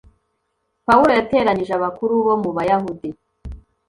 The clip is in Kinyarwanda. Pawulo yateranyije abakuru bo mu Bayahudi,